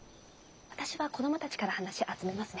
私は子供たちから話集めますね。